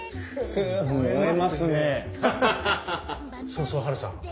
そうそうハルさん。